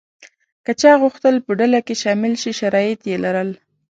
که چا غوښتل په ډله کې شامل شي شرایط یې لرل.